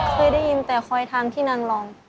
เคยได้ยินแต่คอยทางที่นางรอง